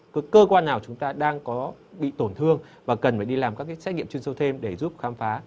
cơ quan nào chúng ta đang có bị tổn thương và cần phải đi làm các cái xét nghiệm chuyên sâu thêm để giúp khám phá